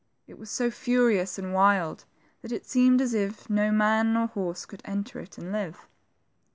It was so furious and wild that it seemed as if no man nor horse could enter it and live.